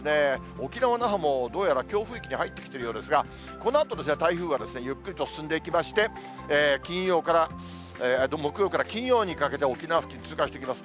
沖縄・那覇は、どうやら強風域に入ってきているようですが、このあと台風がゆっくりと進んでいきまして、金曜から、木曜から金曜にかけて、沖縄付近、通過していきます。